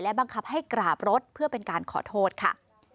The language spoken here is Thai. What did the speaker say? บังคับให้กราบรถเพื่อเป็นการขอโทษค่ะ